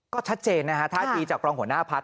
ก็ชัดเจนนะฮะท่าทีจากรองหัวหน้าพัก